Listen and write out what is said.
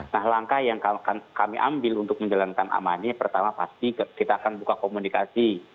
nah langkah yang kami ambil untuk menjalankan amani pertama pasti kita akan buka komunikasi